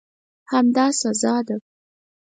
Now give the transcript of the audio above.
همدا سزا ده.